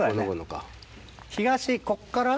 東こっから。